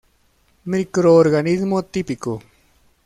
Microorganismo típico.